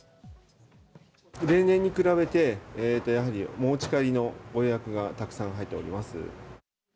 例年に比べて、やはりお持ち帰りのご予約がたくさん入っております。